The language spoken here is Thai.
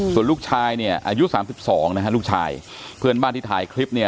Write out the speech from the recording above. ส่วนลูกชายเนี่ยอายุ๓๒นะฮะลูกชายเพื่อนบ้านที่ถ่ายคลิปเนี่ย